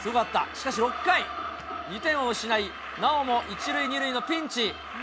しかし２点を失い、なおも１塁２塁のピンチ。